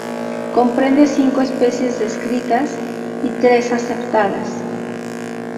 Comprende cinco especies descritas y tres aceptadas.